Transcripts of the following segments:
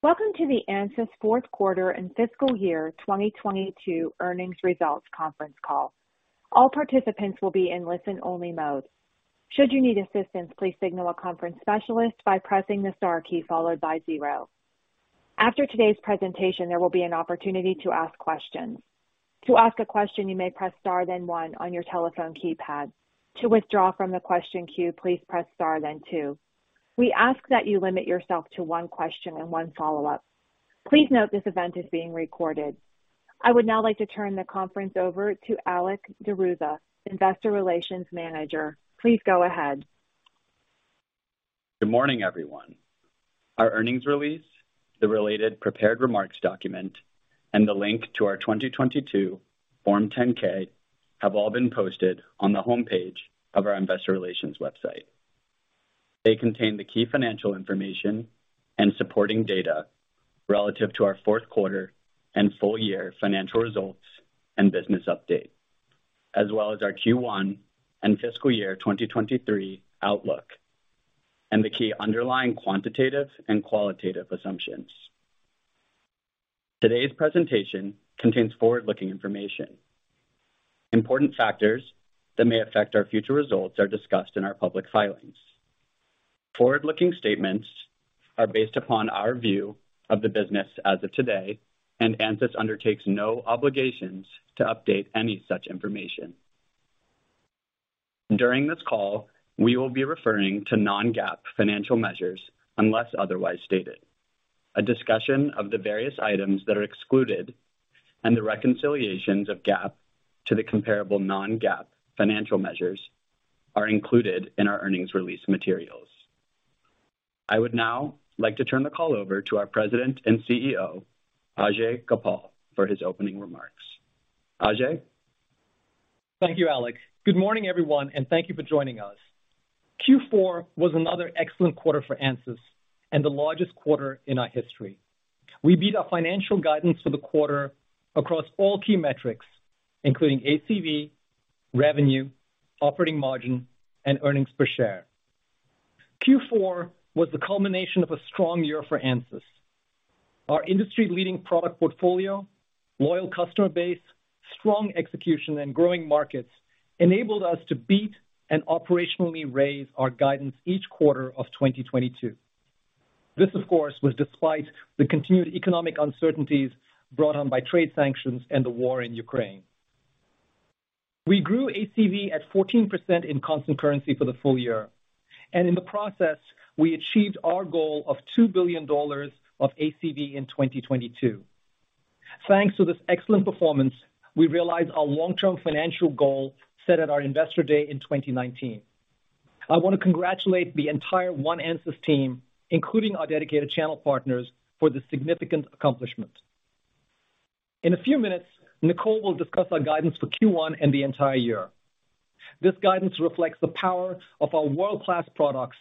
Welcome to the Ansys Fourth Quarter and Fiscal Year 2022 Earnings Results Conference Call. All participants will be in listen-only mode. Should you need assistance, please signal a conference specialist by pressing the star key followed by zero. After today's presentation, there will be an opportunity to ask questions. To ask a question, you may press star then one on your telephone keypad. To withdraw from the question queue, please press star then two. We ask that you limit yourself to one question and one follow-up. Please note this event is being recorded. I would now like to turn the conference over to Alex Deruta, investor relations manager. Please go ahead. Good morning, everyone. Our earnings release, the related prepared remarks document, and the link to our 2022 Form 10-K have all been posted on the homepage of our investor relations website. They contain the key financial information and supporting data relative to our fourth quarter and full year financial results and business update, as well as our Q1 and fiscal year 2023 outlook, and the key underlying quantitative and qualitative assumptions. Today's presentation contains forward-looking information. Important factors that may affect our future results are discussed in our public filings. Forward-looking statements are based upon our view of the business as of today, Ansys undertakes no obligations to update any such information. During this call, we will be referring to non-GAAP financial measures unless otherwise stated. A discussion of the various items that are excluded and the reconciliations of GAAP to the comparable non-GAAP financial measures are included in our earnings release materials. I would now like to turn the call over to our President and CEO, Ajei Gopal, for his opening remarks. Ajei. Thank you, Alex. Good morning, everyone, and thank you for joining us. Q4 was another excellent quarter for Ansys and the largest quarter in our history. We beat our financial guidance for the quarter across all key metrics, including ACV, revenue, operating margin, and EPS. Q4 was the culmination of a strong year for Ansys. Our industry-leading product portfolio, loyal customer base, strong execution, and growing markets enabled us to beat and operationally raise our guidance each quarter of 2022. This, of course, was despite the continued economic uncertainties brought on by trade sanctions and the war in Ukraine. We grew ACV at 14% in constant currency for the full year, and in the process, we achieved our goal of $2 billion of ACV in 2022. Thanks to this excellent performance, we realized our long-term financial goal set at our Investor Day in 2019. I want to congratulate the entire One Ansys team, including our dedicated channel partners, for this significant accomplishment. In a few minutes, Nicole will discuss our guidance for Q1 and the entire year. This guidance reflects the power of our world-class products,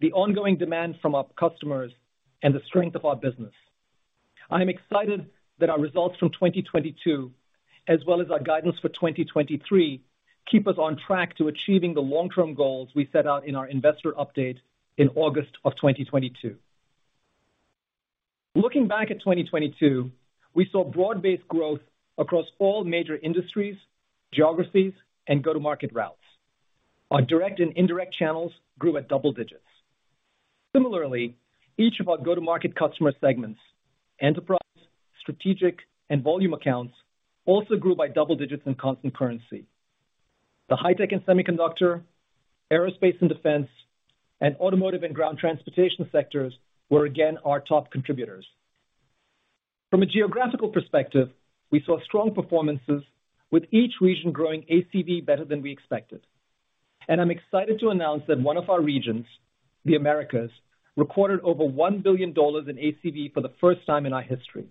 the ongoing demand from our customers, and the strength of our business. I am excited that our results from 2022, as well as our guidance for 2023, keep us on track to achieving the long-term goals we set out in our investor update in August of 2022. Looking back at 2022, we saw broad-based growth across all major industries, geographies, and go-to-market routes. Our direct and indirect channels grew at double digits. Similarly, each of our go-to-market customer segments, enterprise, strategic, and volume accounts, also grew by double digits in constant currency. The high-tech and semiconductor, aerospace and defense, and automotive and ground transportation sectors were again our top contributors. From a geographical perspective, we saw strong performances with each region growing ACV better than we expected. I'm excited to announce that one of our regions, the Americas, recorded over $1 billion in ACV for the first time in our history.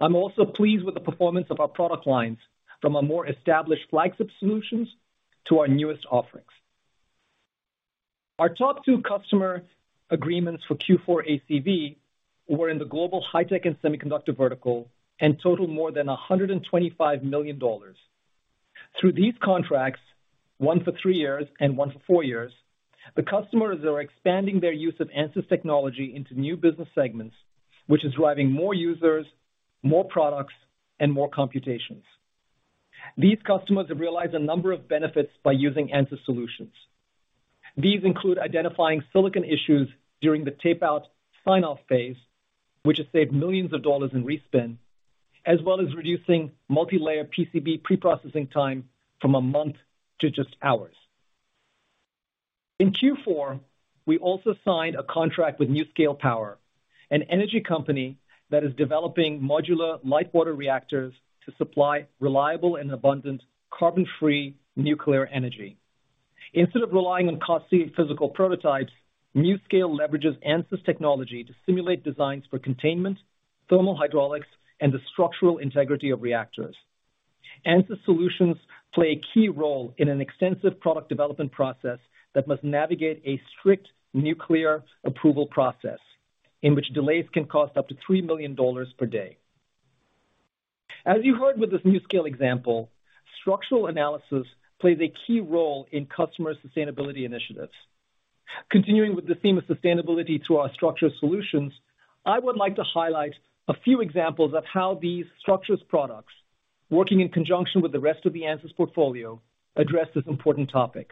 I'm also pleased with the performance of our product lines from our more established flagship solutions to our newest offerings. Our top two customer agreements for Q4 ACV were in the global high tech and semiconductor vertical and totaled more than $125 million. Through these contracts, one for three years and one for four years, the customers are expanding their use of Ansys technology into new business segments, which is driving more users, more products, and more computations. These customers have realized a number of benefits by using Ansys Solutions. These include identifying silicon issues during the tape-out sign-off phase, which has saved millions of dollars in respin, as well as reducing multilayer PCB preprocessing time from a month to just hours. In Q4, we also signed a contract with NuScale Power, an energy company that is developing modular light water reactors to supply reliable and abundant carbon-free nuclear energy. Instead of relying on costly physical prototypes, NuScale leverages Ansys technology to simulate designs for containment, thermal hydraulics, and the structural integrity of reactors. Ansys solutions play a key role in an extensive product development process that must navigate a strict nuclear approval process, in which delays can cost up to $3 million per day. As you heard with this NuScale Power example, structural analysis plays a key role in customer sustainability initiatives. Continuing with the theme of sustainability through our structured solutions, I would like to highlight a few examples of how these structures products, working in conjunction with the rest of the Ansys portfolio, address this important topic.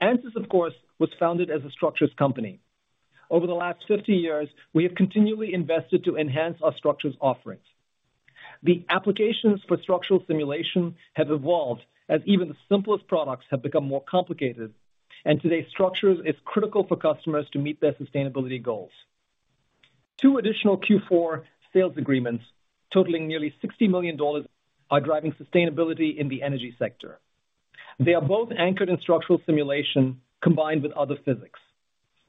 Ansys, of course, was founded as a structures company. Over the last 50 years, we have continually invested to enhance our structures offerings. The applications for structural simulation have evolved as even the simplest products have become more complicated, and today's structures, it's critical for customers to meet their sustainability goals. Two additional Q4 sales agreements totaling nearly $60 million are driving sustainability in the energy sector. They are both anchored in structural simulation combined with other physics.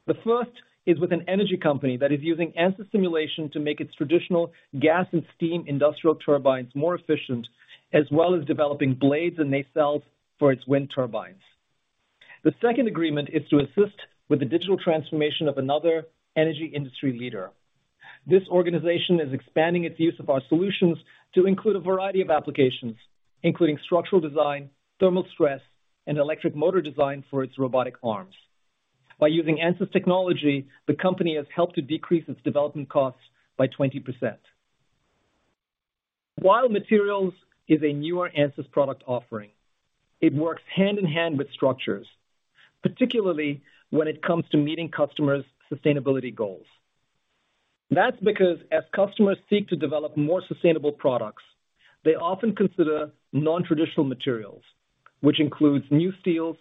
The first is with an energy company that is using Ansys simulation to make its traditional gas and steam industrial turbines more efficient, as well as developing blades and nacelles for its wind turbines. The second agreement is to assist with the digital transformation of another energy industry leader. This organization is expanding its use of our solutions to include a variety of applications, including structural design, thermal stress, and electric motor design for its robotic arms. By using Ansys technology, the company has helped to decrease its development costs by 20%. While Materials is a newer Ansys product offering, it works hand in hand with structures, particularly when it comes to meeting customers' sustainability goals. That's because as customers seek to develop more sustainable products, they often consider non-traditional materials, which includes new steels,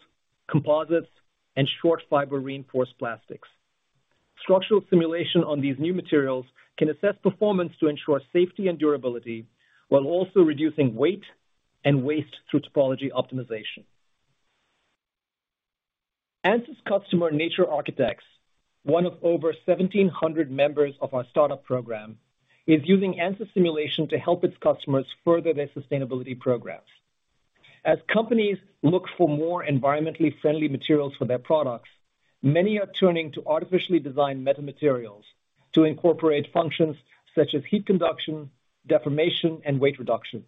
composites, and short fiber-reinforced plastics. Structural simulation on these new materials can assess performance to ensure safety and durability while also reducing weight and waste through topology optimization. Ansys customer Nature Architects, one of over 1,700 members of our startup program, is using Ansys simulation to help its customers further their sustainability programs. As companies look for more environmentally friendly materials for their products, many are turning to artificially designed metamaterials to incorporate functions such as heat conduction, deformation, and weight reduction.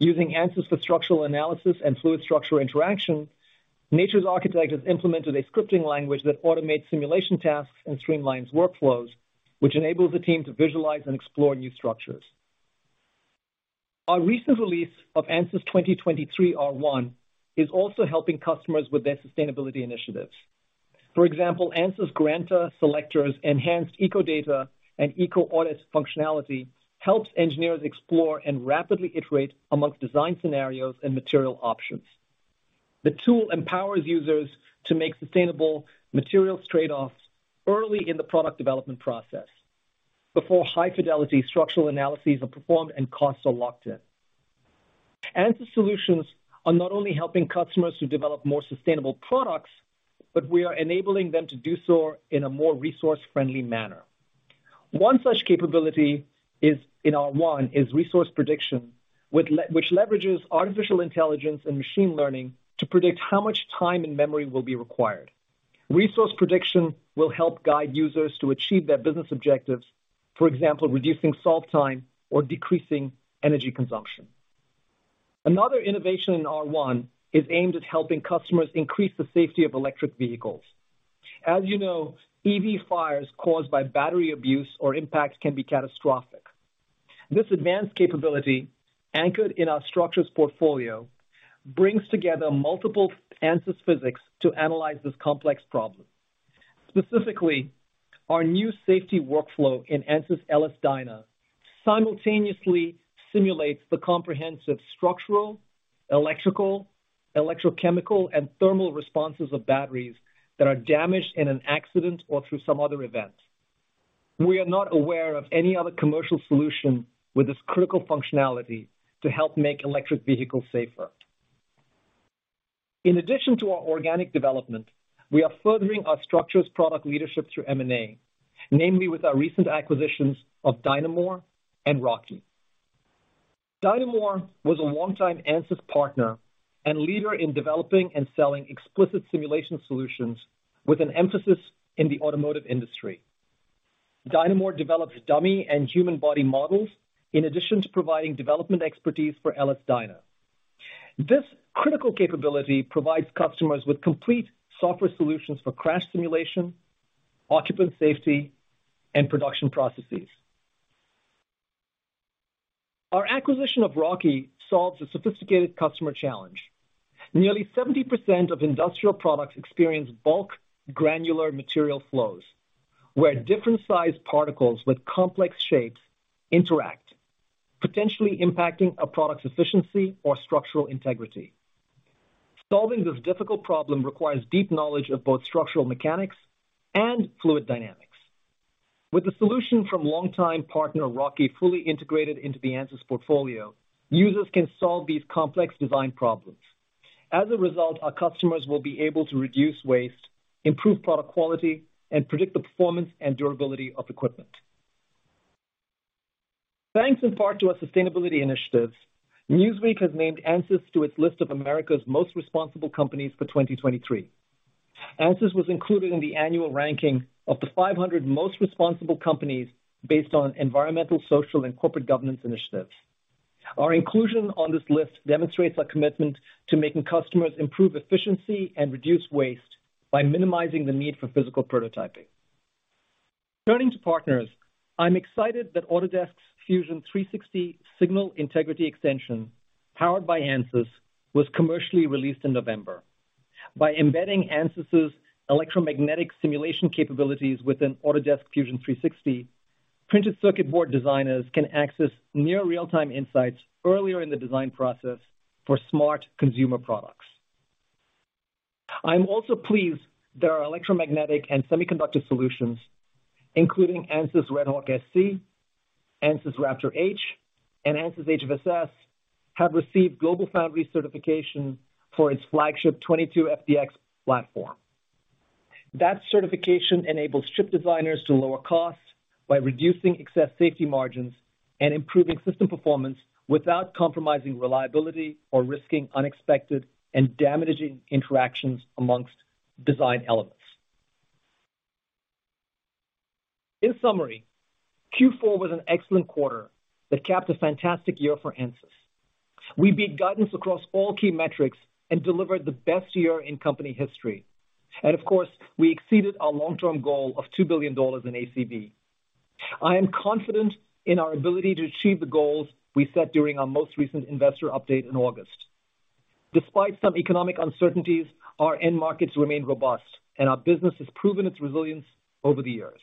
Using Ansys for structural analysis and fluid structural interaction, Nature Architects has implemented a scripting language that automates simulation tasks and streamlines workflows, which enables the team to visualize and explore new structures. Our recent release of Ansys 2023 R1 is also helping customers with their sustainability initiatives. For example, Ansys Granta Selector's enhanced Eco Data and Eco Audit functionality helps engineers explore and rapidly iterate amongst design scenarios and material options. The tool empowers users to make sustainable materials trade-offs early in the product development process before high-fidelity structural analyses are performed and costs are locked in. Ansys solutions are not only helping customers to develop more sustainable products, but we are enabling them to do so in a more resource-friendly manner. One such capability is, in R1, resource prediction, which leverages artificial intelligence and machine learning to predict how much time and memory will be required. Resource prediction will help guide users to achieve their business objectives, for example, reducing solve time or decreasing energy consumption. Another innovation in R1 is aimed at helping customers increase the safety of electric vehicles. As you know, EV fires caused by battery abuse or impacts can be catastrophic. This advanced capability, anchored in our structures portfolio, brings together multiple Ansys physics to analyze this complex problem. Specifically, our new safety workflow in Ansys LS-DYNA simultaneously simulates the comprehensive structural, electrical, electrochemical, and thermal responses of batteries that are damaged in an accident or through some other event. We are not aware of any other commercial solution with this critical functionality to help make electric vehicles safer. In addition to our organic development, we are furthering our structures product leadership through M&A, namely with our recent acquisitions of DYNAmore and Rocky. DYNAmore was a longtime Ansys partner and leader in developing and selling explicit simulation solutions with an emphasis in the automotive industry. DYNAmore develops dummy and human body models in addition to providing development expertise for LS-DYNA. This critical capability provides customers with complete software solutions for crash simulation, occupant safety, and production processes. Our acquisition of Rocky solves a sophisticated customer challenge. Nearly 70% of industrial products experience bulk granular material flows, where different-sized particles with complex shapes interact, potentially impacting a product's efficiency or structural integrity. Solving this difficult problem requires deep knowledge of both structural mechanics and fluid dynamics. With the solution from longtime partner Rocky fully integrated into the Ansys portfolio, users can solve these complex design problems. As a result, our customers will be able to reduce waste, improve product quality, and predict the performance and durability of equipment. Thanks in part to our sustainability initiatives, Newsweek has named Ansys to its list of America's Most Responsible Companies for 2023. Ansys was included in the annual ranking of the 500 most responsible companies based on environmental, social, and corporate governance initiatives. Our inclusion on this list demonstrates our commitment to making customers improve efficiency and reduce waste by minimizing the need for physical prototyping. Turning to partners, I'm excited that Autodesk's Fusion 360 Signal Integrity Extension, powered by Ansys, was commercially released in November. By embedding Ansys' electromagnetic simulation capabilities within Autodesk Fusion 360, printed circuit board designers can access near real-time insights earlier in the design process for smart consumer products. I'm also pleased that our electromagnetic and semiconductor solutions, including Ansys RedHawk-SC, Ansys RaptorH, and Ansys HFSS, have received GlobalFoundries certification for its flagship 22FDX platform. That certification enables chip designers to lower costs by reducing excess safety margins and improving system performance without compromising reliability or risking unexpected and damaging interactions amongst design elements. In summary, Q4 was an excellent quarter that capped a fantastic year for Ansys. We beat guidance across all key metrics and delivered the best year in company history. Of course, we exceeded our long-term goal of $2 billion in ACV. I am confident in our ability to achieve the goals we set during our most recent investor update in August. Despite some economic uncertainties, our end markets remain robust, and our business has proven its resilience over the years.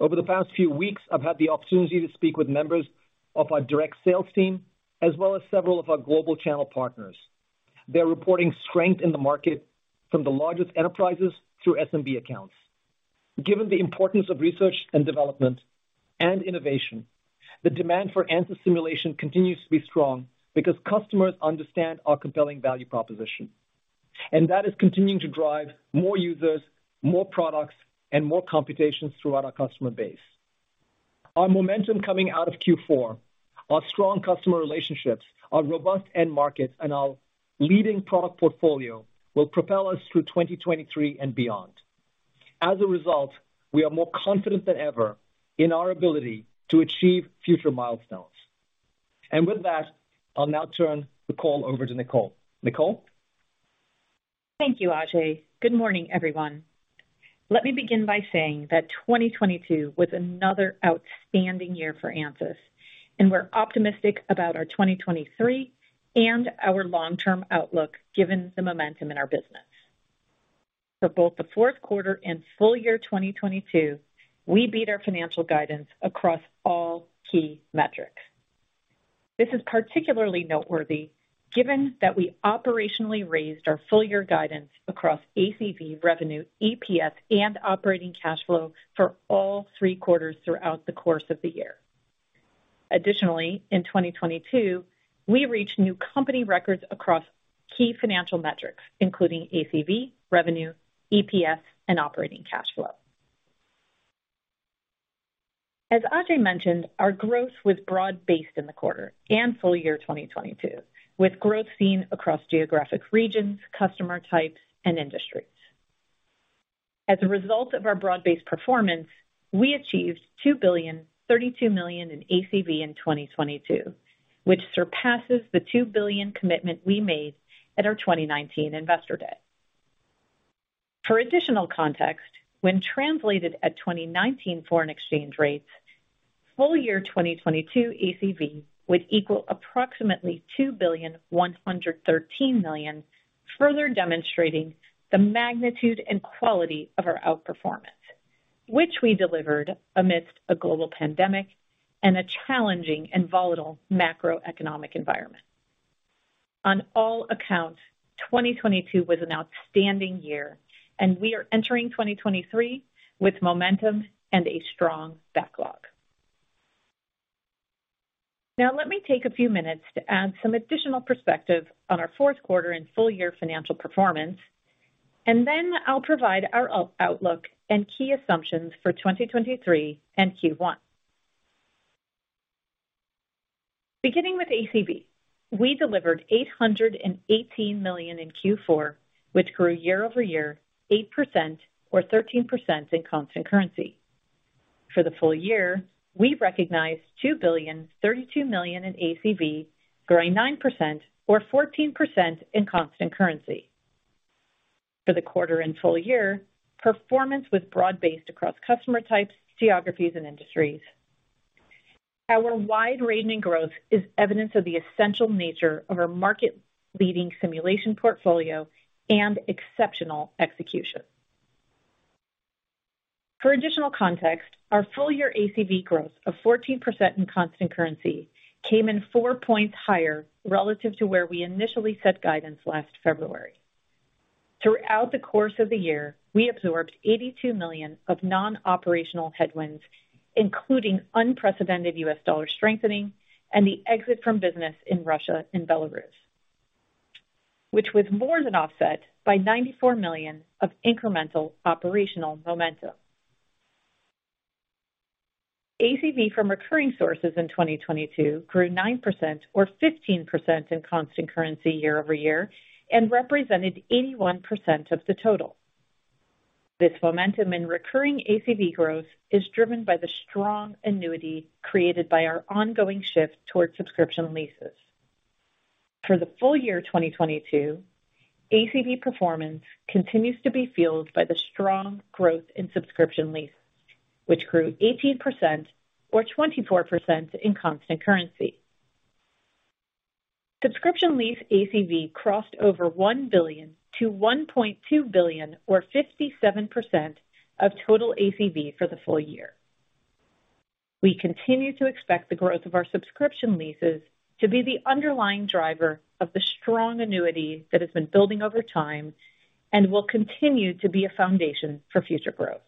Over the past few weeks, I've had the opportunity to speak with members of our direct sales team, as well as several of our global channel partners. They're reporting strength in the market from the largest enterprises through SMB accounts. Given the importance of research and development and innovation, the demand for Ansys simulation continues to be strong because customers understand our compelling value proposition. That is continuing to drive more users, more products, and more computations throughout our customer base. Our momentum coming out of Q4, our strong customer relationships, our robust end markets, and our leading product portfolio will propel us through 2023 and beyond. As a result, we are more confident than ever in our ability to achieve future milestones. With that, I'll now turn the call over to Nicole. Nicole? Thank you, Ajei. Good morning, everyone. Let me begin by saying that 2022 was another outstanding year for Ansys, and we're optimistic about our 2023 and our long-term outlook, given the momentum in our business. For both the fourth quarter and full year 2022, we beat our financial guidance across all key metrics. This is particularly noteworthy given that we operationally raised our full year guidance across ACV revenue, EPS, and operating cash flow for all three quarters throughout the course of the year. Additionally, in 2022, we reached new company records across key financial metrics, including ACV, revenue, EPS, and operating cash flow. As Ajei mentioned, our growth was broad-based in the quarter and full year 2022, with growth seen across geographic regions, customer types, and industries. As a result of our broad-based performance, we achieved $2.032 billion in ACV in 2022, which surpasses the $2 billion commitment we made at our 2019 Investor Day. For additional context, when translated at 2019 foreign exchange rates, full year 2022 ACV would equal approximately $2.113 billion, further demonstrating the magnitude and quality of our outperformance, which we delivered amidst a global pandemic and a challenging and volatile macroeconomic environment. On all accounts, 2022 was an outstanding year, and we are entering 2023 with momentum and a strong backlog. Now, let me take a few minutes to add some additional perspective on our fourth quarter and full year financial performance, and then I'll provide our outlook and key assumptions for 2023 and Q1. Beginning with ACV, we delivered $818 million in Q4, which grew year-over-year 8% or 13% in constant currency. For the full year, we recognized $2,032 million in ACV, growing 9% or 14% in constant currency. For the quarter and full year, performance was broad-based across customer types, geographies, and industries. Our wide rating growth is evidence of the essential nature of our market-leading simulation portfolio and exceptional execution. For additional context, our full-year ACV growth of 14% in constant currency came in four points higher relative to where we initially set guidance last February. Throughout the course of the year, we absorbed $82 million of non-operational headwinds, including unprecedented U.S. dollar strengthening and the exit from business in Russia and Belarus, which was more than offset by $94 million of incremental operational momentum. ACV from recurring sources in 2022 grew 9% or 15% in constant currency year-over-year and represented 81% of the total. This momentum in recurring ACV growth is driven by the strong annuity created by our ongoing shift towards subscription leases. For the full year 2022, ACV performance continues to be fueled by the strong growth in subscription lease, which grew 18% or 24% in constant currency. Subscription lease ACV crossed over $1 billion-$1.2 billion or 57% of total ACV for the full year. We continue to expect the growth of our subscription leases to be the underlying driver of the strong annuity that has been building over time and will continue to be a foundation for future growth.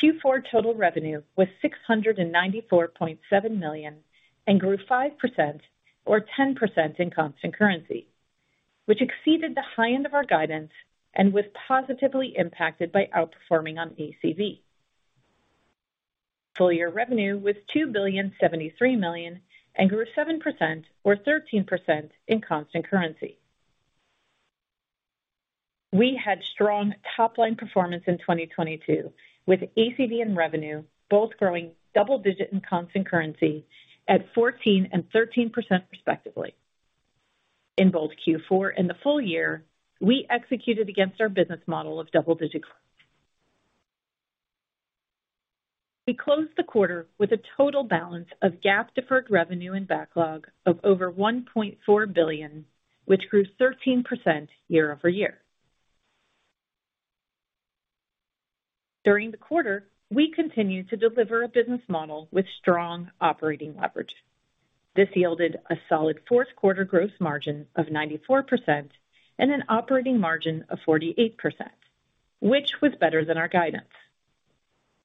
Q4 total revenue was $694.7 million and grew 5% or 10% in constant currency, which exceeded the high end of our guidance and was positively impacted by outperforming on ACV. Full year revenue was $2.073 billion and grew 7% or 13% in constant currency. We had strong top-line performance in 2022, with ACV and revenue both growing double-digit in constant currency at 14% and 13% respectively. In both Q4 and the full year, we executed against our business model of double-digit. We closed the quarter with a total balance of GAAP deferred revenue and backlog of over $1.4 billion, which grew 13% year-over-year. During the quarter, we continued to deliver a business model with strong operating leverage. This yielded a solid fourth quarter gross margin of 94% and an operating margin of 48%, which was better than our guidance.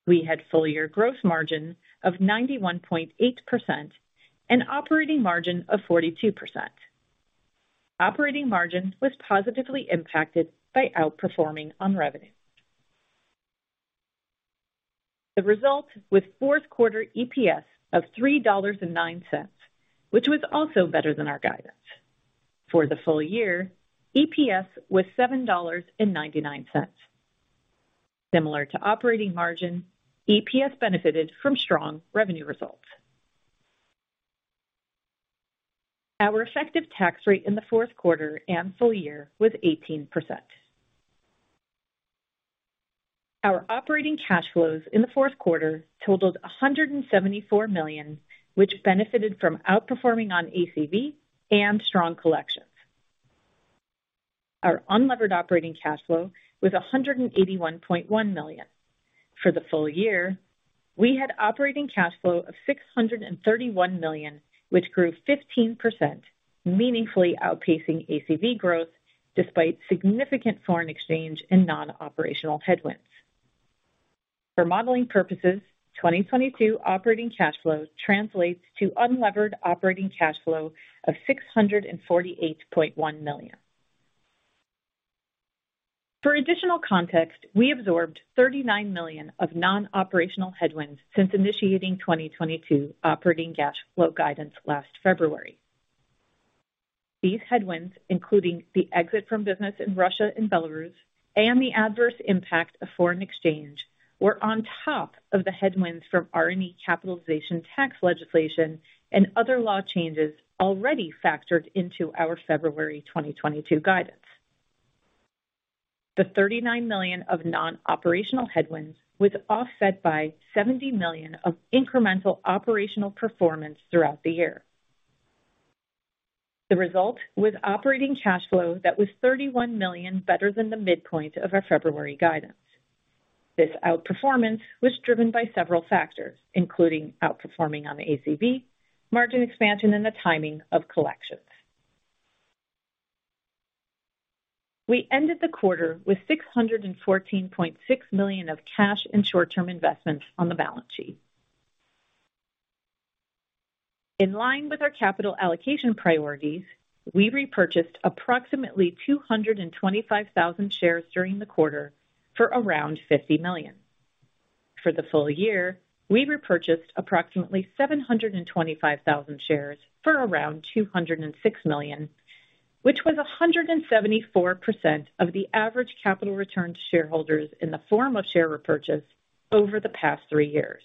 We had full year gross margin of 91.8% and operating margin of 42%. Operating margin was positively impacted by outperforming on revenue. The result was fourth quarter EPS of $3.09, which was also better than our guidance. For the full year, EPS was $7.99. Similar to operating margin, EPS benefited from strong revenue results. Our effective tax rate in the fourth quarter and full year was 18%. Our operating cash flows in the fourth quarter totaled $174 million, which benefited from outperforming on ACV and strong collections. Our unlevered operating cash flow was $181.1 million. For the full year, we had operating cash flow of $631 million, which grew 15%, meaningfully outpacing ACV growth despite significant foreign exchange and non-operational headwinds. For modeling purposes, 2022 operating cash flow translates to unlevered operating cash flow of $648.1 million. For additional context, we absorbed $39 million of non-operational headwinds since initiating 2022 operating cash flow guidance last February. These headwinds, including the exit from business in Russia and Belarus and the adverse impact of foreign exchange, were on top of the headwinds from R&E capitalization tax legislation and other law changes already factored into our February 2022 guidance. The $39 million of non-operational headwinds was offset by $70 million of incremental operational performance throughout the year. The result was operating cash flow that was $31 million better than the midpoint of our February guidance. This outperformance was driven by several factors, including outperforming on the ACV, margin expansion, and the timing of collections. We ended the quarter with $614.6 million of cash and short-term investments on the balance sheet. In line with our capital allocation priorities, we repurchased approximately 225,000 shares during the quarter for around $50 million. For the full year, we repurchased approximately 725,000 shares for around $206 million, which was 174% of the average capital return to shareholders in the form of share repurchase over the past three years.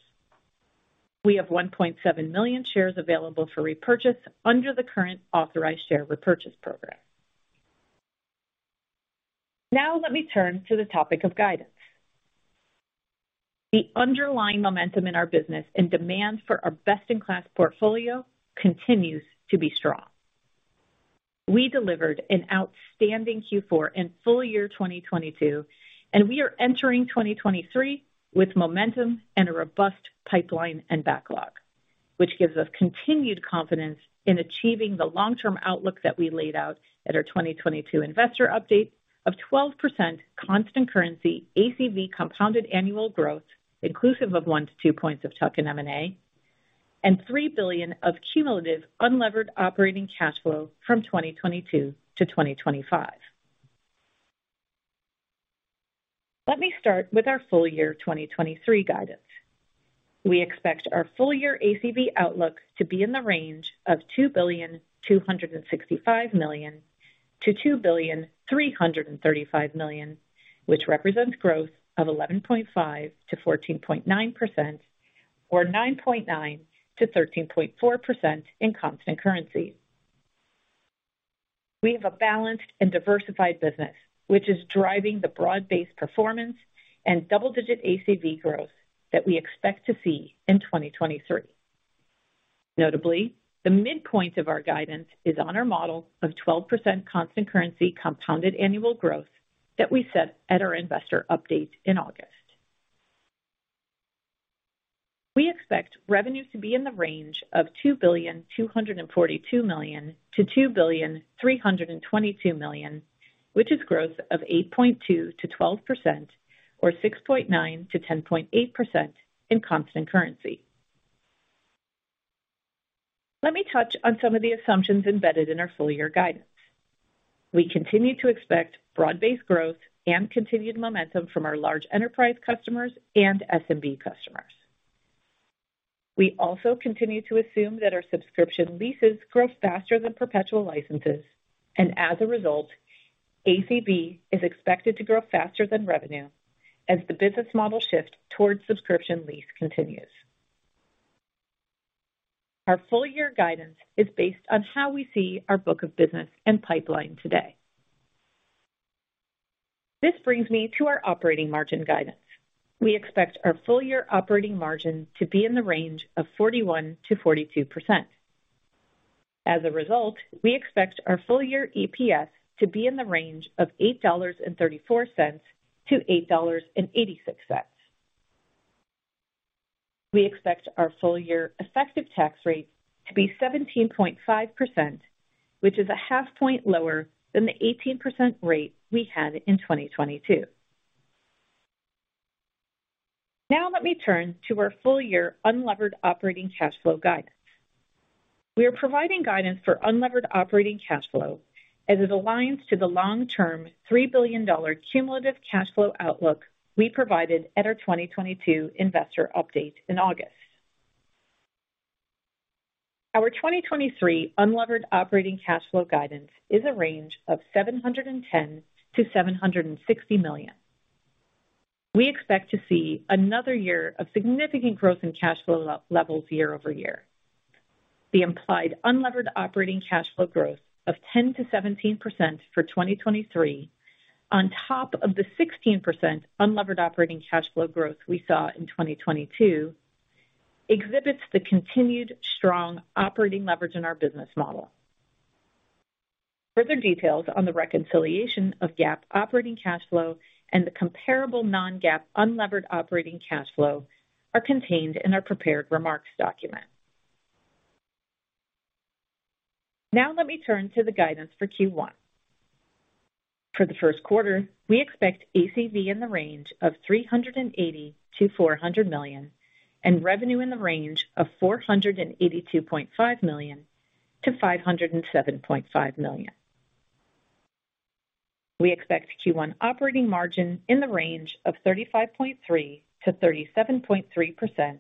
We have 1.7 million shares available for repurchase under the current authorized share repurchase program. Let me turn to the topic of guidance. The underlying momentum in our business and demand for our best-in-class portfolio continues to be strong. We delivered an outstanding Q4 and full year 2022, and we are entering 2023 with momentum and a robust pipeline and backlog, which gives us continued confidence in achieving the long-term outlook that we laid out at our 2022 investor update of 12% constant currency ACV compounded annual growth, inclusive of one to two points of tuck in M&A, and $3 billion of cumulative unlevered operating cash flow from 2022 to 2025. Let me start with our full year 2023 guidance. We expect our full year ACV outlook to be in the range of $2.265 billion-$2.335 billion, which represents growth of 11.5%-14.9% or 9.9%-13.4% in constant currency. We have a balanced and diversified business which is driving the broad-based performance and double-digit ACV growth that we expect to see in 2023. Notably, the midpoint of our guidance is on our model of 12% constant currency compounded annual growth that we set at our investor update in August. We expect revenue to be in the range of $2.242 billion-$2.322 billion, which is growth of 8.2%-12% or 6.9%-10.8% in constant currency. Let me touch on some of the assumptions embedded in our full year guidance. We continue to expect broad-based growth and continued momentum from our large enterprise customers and SMB customers. We also continue to assume that our subscription leases grow faster than perpetual licenses, as a result, ACV is expected to grow faster than revenue as the business model shift towards subscription lease continues. Our full year guidance is based on how we see our book of business and pipeline today. This brings me to our operating margin guidance. We expect our full year operating margin to be in the range of 41%-42%. As a result, we expect our full year EPS to be in the range of $8.34-$8.86. We expect our full year effective tax rate to be 17.5%, which is a half point lower than the 18% rate we had in 2022. Let me turn to our full year unlevered operating cash flow guidance. We are providing guidance for unlevered operating cash flow as it aligns to the long-term $3 billion cumulative cash flow outlook we provided at our 2022 investor update in August. Our 2023 unlevered operating cash flow guidance is a range of $710 million-$760 million. We expect to see another year of significant growth in cash flow levels year-over-year. The implied unlevered operating cash flow growth of 10%-17% for 2023 on top of the 16% unlevered operating cash flow growth we saw in 2022 exhibits the continued strong operating leverage in our business model. Further details on the reconciliation of GAAP operating cash flow and the comparable non-GAAP unlevered operating cash flow are contained in our prepared remarks document. Let me turn to the guidance for Q1. For the first quarter, we expect ACV in the range of $380 million-$400 million and revenue in the range of $482.5 million-$507.5 million. We expect Q1 operating margin in the range of 35.3%-37.3%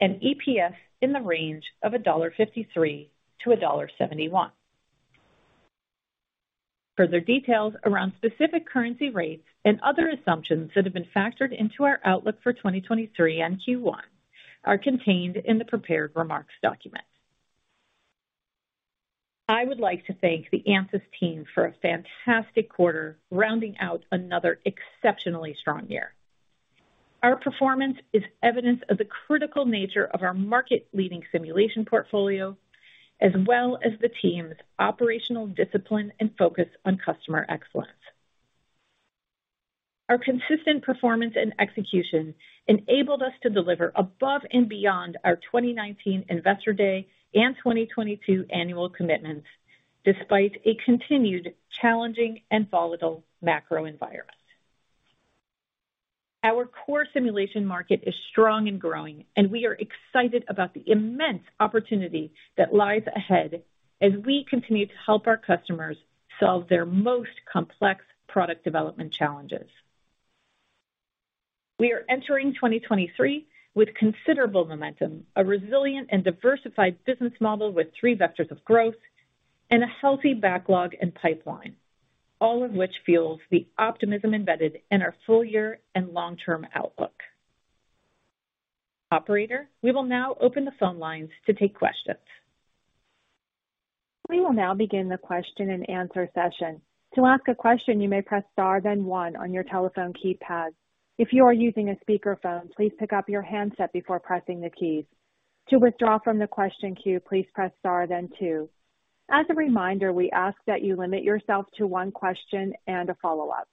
and EPS in the range of $1.53-$1.71. Further details around specific currency rates and other assumptions that have been factored into our outlook for 2023 and Q1 are contained in the prepared remarks document. I would like to thank the Ansys team for a fantastic quarter, rounding out another exceptionally strong year. Our performance is evidence of the critical nature of our market-leading simulation portfolio, as well as the team's operational discipline and focus on customer excellence. Our consistent performance and execution enabled us to deliver above and beyond our 2019 Investor Day and 2022 annual commitments, despite a continued challenging and volatile macro environment. Our core simulation market is strong and growing, and we are excited about the immense opportunity that lies ahead as we continue to help our customers solve their most complex product development challenges. We are entering 2023 with considerable momentum, a resilient and diversified business model with three vectors of growth and a healthy backlog and pipeline, all of which fuels the optimism embedded in our full year and long-term outlook. Operator, we will now open the phone lines to take questions. We will now begin the question and answer session. To ask a question, you may press star, then one on your telephone keypad. If you are using a speakerphone, please pick up your handset before pressing the keys. To withdraw from the question queue, please press star, then two. As a reminder, we ask that you limit yourself to one question and a follow-up.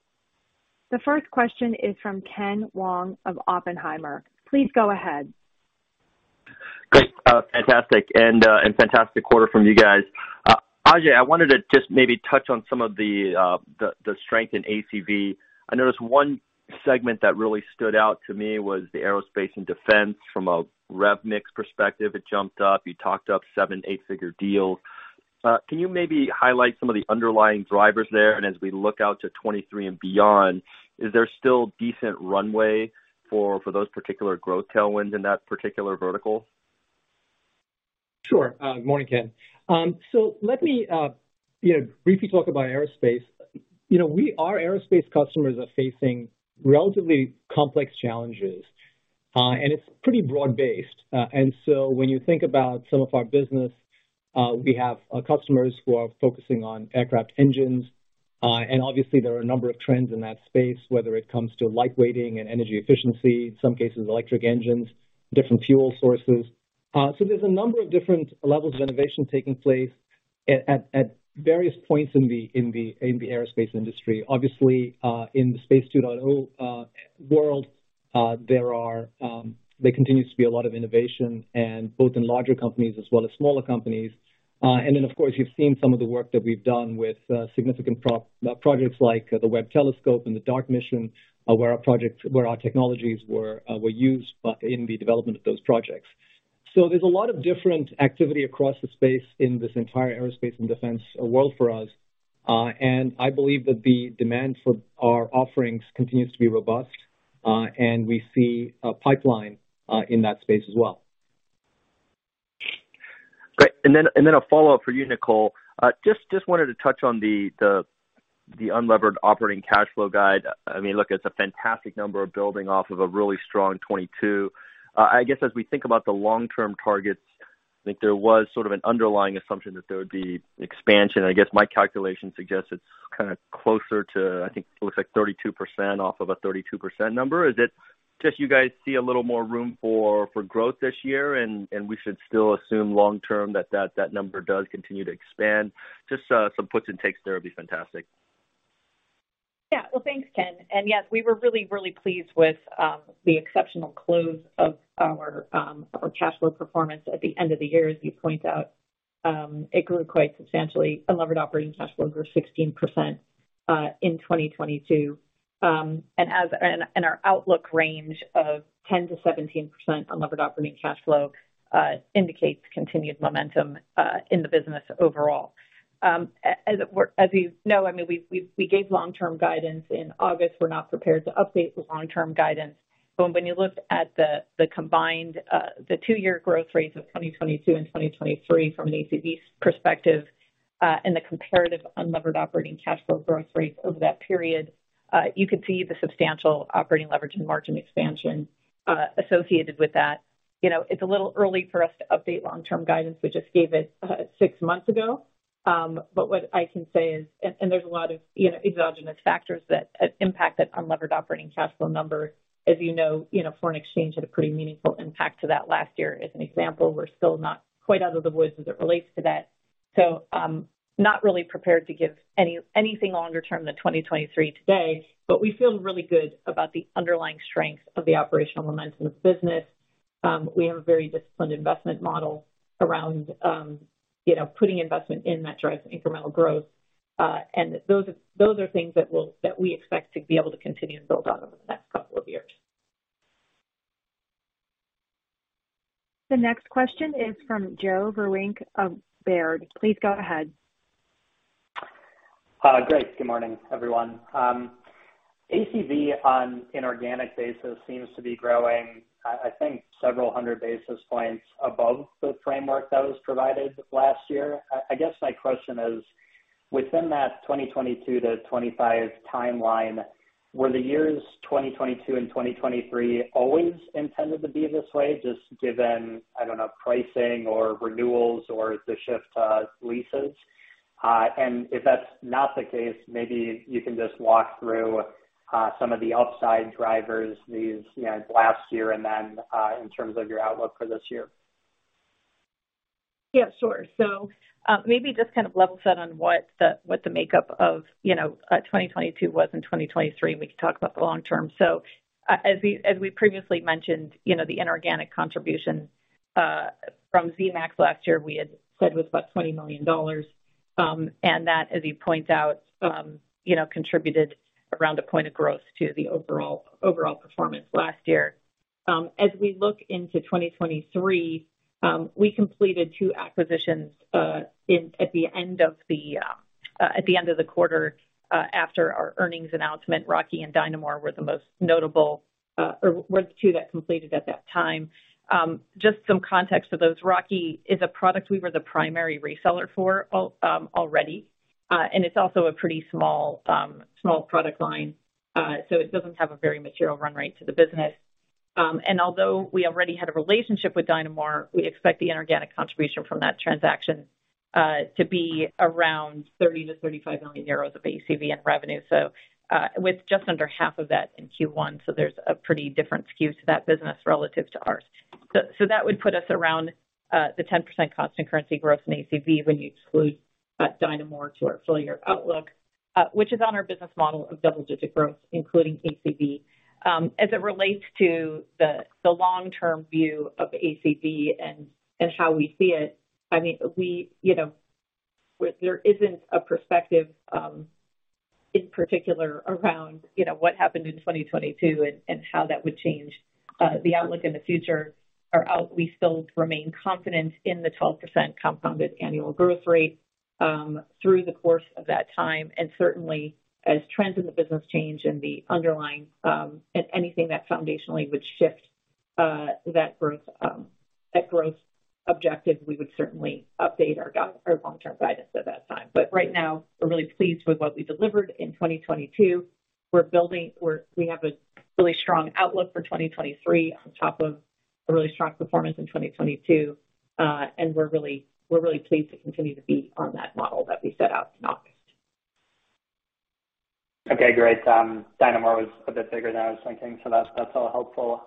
The first question is from Ken Wong of Oppenheimer. Please go ahead. Great. Fantastic. Fantastic quarter from you guys. Ajei, I wanted to just maybe touch on some of the strength in ACV. I noticed one segment that really stood out to me was the aerospace and defense from a rev mix perspective, it jumped up. You talked up seven, eight-figure deals. Can you maybe highlight some of the underlying drivers there? As we look out to 2023 and beyond, is there still decent runway for those particular growth tailwinds in that particular vertical? Sure. Good morning, Ken. Let me, you know, briefly talk about aerospace. You know, our aerospace customers are facing relatively complex challenges, and it's pretty broad-based. When you think about some of our business, we have customers who are focusing on aircraft engines. Obviously there are a number of trends in that space, whether it comes to lightweighting and energy efficiency, in some cases, electric engines, different fuel sources. There's a number of different levels of innovation taking place at various points in the aerospace industry. Obviously, in the Space 2.0 world, there are, there continues to be a lot of innovation and both in larger companies as well as smaller companies. Then, of course, you've seen some of the work that we've done with significant projects like the Webb Telescope and the DART mission, where our technologies were used in the development of those projects. There's a lot of different activity across the space in this entire aerospace and defense world for us, and I believe that the demand for our offerings continues to be robust, and we see a pipeline in that space as well. Great. A follow-up for you, Nicole. Wanted to touch on the unlevered operating cash flow guide. I mean, look, it's a fantastic number of building off of a really strong 2022. I guess, as we think about the long-term targets, I think there was sort of an underlying assumption that there would be expansion. I guess my calculation suggests it's kind of closer to, I think it looks like 32% off of a 32% number. Is it just you guys see a little more room for growth this year, and we should still assume long term that number does continue to expand? Just some puts and takes there would be fantastic. Yeah. Well, thanks, Ken. Yes, we were really, really pleased with the exceptional close of our cash flow performance at the end of the year, as you point out. It grew quite substantially. Unlevered operating cash flows were 16% in 2022. Our outlook range of 10%-17% unlevered operating cash flow indicates continued momentum in the business overall. As you know, I mean, we gave long-term guidance in August. We're not prepared to update the long-term guidance. When you look at the combined, the two-year growth rates of 2022 and 2023 from an ACV perspective, and the comparative unlevered operating cash flow growth rates over that period, you could see the substantial operating leverage and margin expansion associated with that. You know, it's a little early for us to update long-term guidance. We just gave it six months ago. What I can say is, and there's a lot of, you know, exogenous factors that impact that unlevered operating cash flow number. As you know, foreign exchange had a pretty meaningful impact to that last year as an example. We're still not quite out of the woods as it relates to that. Not really prepared to give anything longer term than 2023 today, but we feel really good about the underlying strength of the operational momentum of the business. We have a very disciplined investment model around, you know, putting investment in that drives incremental growth. Those are things that we expect to be able to continue to build on over the next couple of years. The next question is from Joe Vruwink of Baird. Please go ahead. Great. Good morning, everyone. ACV on an inorganic basis seems to be growing, I think several hundred basis points above the framework that was provided last year. I guess my question is, within that 2022-2025 timeline, were the years 2022 and 2023 always intended to be this way, just given, I don't know, pricing or renewals or the shift to leases? If that's not the case, maybe you can just walk through some of the upside drivers these, you know, last year and then in terms of your outlook for this year. Yeah, sure. Maybe just kind of level set on what the makeup of, you know, 2022 was and 2023, and we can talk about the long term. As we previously mentioned, you know, the inorganic contribution from Zemax last year, we had said was about $20 million. That, as you point out, you know, contributed around a point of growth to the overall performance last year. As we look into 2023, we completed two acquisitions at the end of the quarter after our earnings announcement. Rocky and DYNAmore were the most notable or were the two that completed at that time. Just some context for those. Rocky is a product we were the primary reseller for already. It's also a pretty small product line, so it doesn't have a very material run rate to the business. Although we already had a relationship with DYNAmore, we expect the inorganic contribution from that transaction to be around 30 million-35 million euros of ACV and revenue. With just under half of that in Q1, so there's a pretty different skew to that business relative to ours. That would put us around the 10% constant currency growth in ACV when you exclude DYNAmore to our full year outlook, which is on our business model of double-digit growth, including ACV. As it relates to the long-term view of ACV and how we see it, I mean, we, you know, there isn't a perspective In particular around, you know, what happened in 2022 and how that would change, the outlook in the future are out. We still remain confident in the 12% compounded annual growth rate, through the course of that time. Certainly as trends in the business change and the underlying, and anything that foundationally would shift, that growth, that growth objective, we would certainly update our long-term guidance at that time. Right now, we're really pleased with what we delivered in 2022. We have a really strong outlook for 2023 on top of a really strong performance in 2022. We're really pleased to continue to be on that model that we set out in August. Okay, great. DYNAmore was a bit bigger than I was thinking, that's all helpful.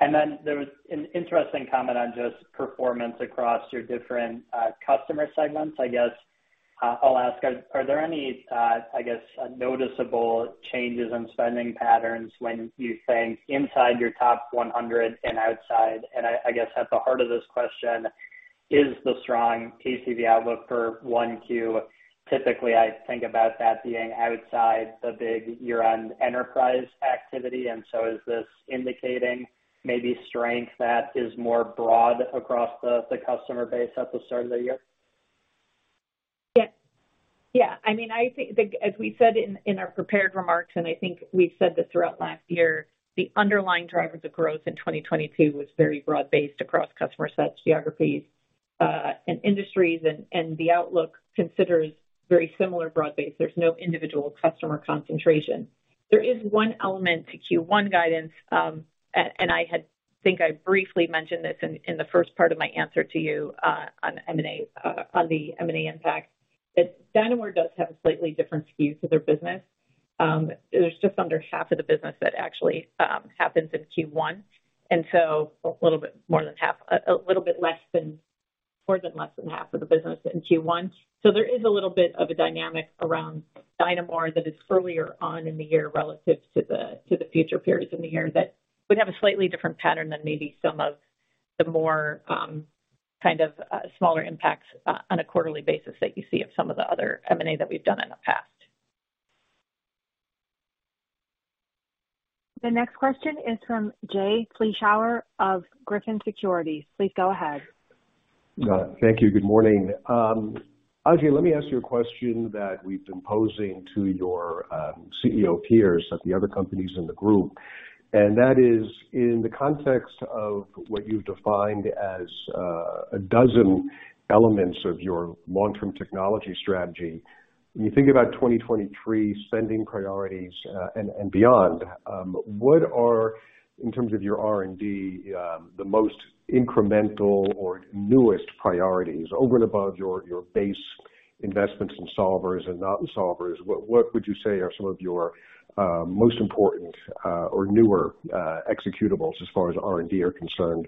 There was an interesting comment on just performance across your different customer segments. I guess, I'll ask, are there any, I guess, noticeable changes in spending patterns when you think inside your top 100 and outside? I guess at the heart of this question is the strong TCV outlook for 1Q. Typically, I think about that being outside the big year-end enterprise activity, is this indicating maybe strength that is more broad across the customer base at the start of the year? Yes. I mean, I think as we said in our prepared remarks, and I think we said this throughout last year, the underlying drivers of growth in 2022 was very broad-based across customer sets, geographies, and industries. The outlook considers very similar broad-based. There's no individual customer concentration. There is one element to Q1 guidance, and I think I briefly mentioned this in the first part of my answer to you on M&A, on the M&A impact, that DYNAmore does have a slightly different skew to their business. There's just under half of the business that actually happens in Q1, and so a little bit less than half of the business in Q1. There is a little bit of a dynamic around DYNAmore that is earlier on in the year relative to the future periods in the year that would have a slightly different pattern than maybe some of the more, kind of, smaller impacts on a quarterly basis that you see of some of the other M&A that we've done in the past. The next question is from Jay Vleeschhouwer of Griffin Securities. Please go ahead. Thank you. Good morning. Ajei, let me ask you a question that we've been posing to your CEO peers at the other companies in the group. That is, in the context of what you've defined as 12 elements of your long-term technology strategy, when you think about 2023 spending priorities, and beyond, what are, in terms of your R&D, the most incremental or newest priorities over and above your base investments in solvers and not in solvers? What would you say are some of your most important, or newer, executables as far as R&D are concerned?